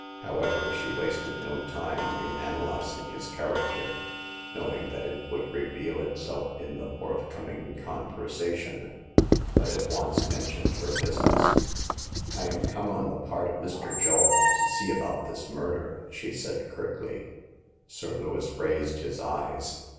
However, she wasted no time in analyzing his character — know ing that it would reveal itself in the forthcoming conversation— but at once mentioned her business. I am come on the part of Mr. Julf to see about this murder," she said, curtly. Sir Lewis raised his eyes.